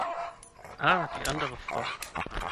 Ah, die andere Frau!